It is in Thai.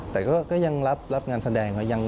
แต่ก็ยังรับงานแสดงว่า